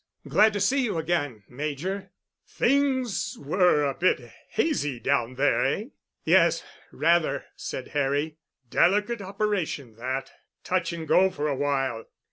Glad to see you again, Major." "Things were a bit hazy down there, eh?" "Yes, rather," said Harry. "Delicate operation that. Touch and go for awhile.